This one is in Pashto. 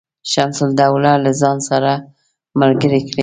شمس الدوله له ځان سره ملګري کړي.